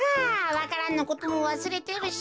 わか蘭のこともわすれてるし。